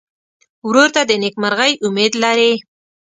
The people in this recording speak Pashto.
ورور ته د نېکمرغۍ امید لرې.